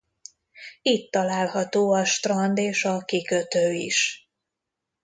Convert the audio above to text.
Itt található a strand és a kikötő is.